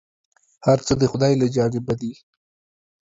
هر څه د خداى له جانبه دي ،